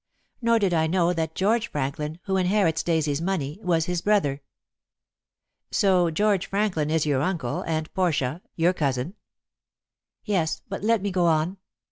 Nor did I know that George Franklin, who inherits Daisy's money, was his brother." "So George Franklin is your uncle and Portia your cousin?" "Yes; but let me go on.